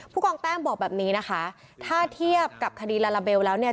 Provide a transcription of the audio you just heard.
กองแต้มบอกแบบนี้นะคะถ้าเทียบกับคดีลาลาเบลแล้วเนี่ย